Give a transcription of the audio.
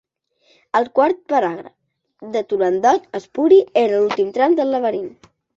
El quart paràgraf de “Turandot espuri” era l'últim tram del laberint.